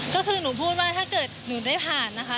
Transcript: ก็คือหนูพูดว่าถ้าเกิดหนูได้ผ่านนะคะ